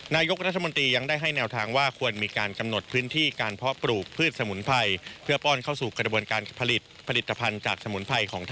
นายกรัฐมนตรียังได้ให้แนวทางว่าควรมีการกำหนดพื้นที่การเพาะปลูกพืชสมุนไพรเพื่อป้อนเข้าสู่กระบวนการผลิตผลิตภัณฑ์จากสมุนไพรของ